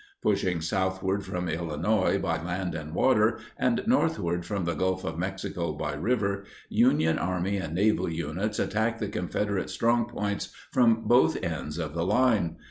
Pushing southward from Illinois by land and water, and northward from the Gulf of Mexico by river, Union army and naval units attacked the Confederate strongpoints from both ends of the line.